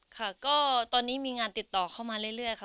ค่ะก็ตอนนี้มีงานติดต่อเข้ามาเรื่อยค่ะ